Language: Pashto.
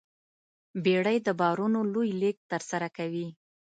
بیړۍ د بارونو لوی لېږد ترسره کوي.